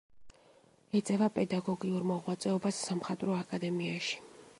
ეწევა პედაგოგიურ მოღვაწეობას სამხატვრო აკადემიაში.